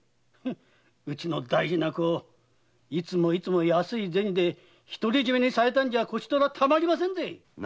うちの大事な娘をいつも安い銭で独り占めされたらこちとらたまりませんぜ！